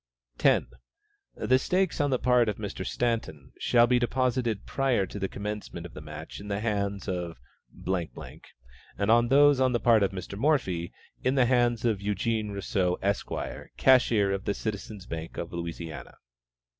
10. The stakes on the part of Mr. Staunton to be deposited prior to the commencement of the match in the hands of ; and those on the part of Mr. Morphy, in the hands of Eugene Rousseau, Esq., cashier of the Citizen's Bank of Louisiana.